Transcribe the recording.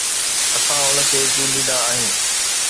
اسان ان کي چونڊيندا آهيون